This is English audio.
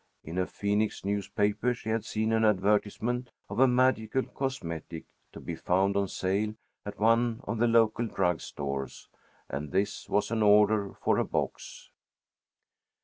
In a Phoenix newspaper she had seen an advertisement of a magical cosmetic, to be found on sale at one of the local drug stores, and this was an order for a box.